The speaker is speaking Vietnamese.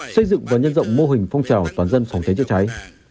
xây dựng và nhân rộng mô hình phong trào toàn dân phòng cháy chữa cháy